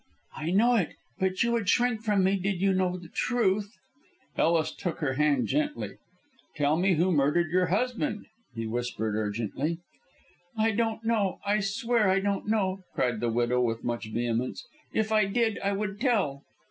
"I know it, but you would shrink from me did you know the truth." Ellis took her hand gently. "Tell me who murdered your husband?" he whispered urgently. "I don't know! I swear I don't know!" cried the widow, with much vehemence; "if I did I would tell."